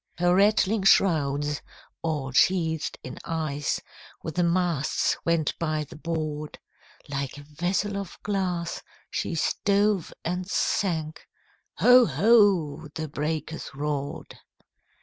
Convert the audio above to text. Her rattling shrouds, all sheathed in ice, With the masts went by the board; Like a vessel of glass, she stove and sank, Ho! ho! the breakers roared!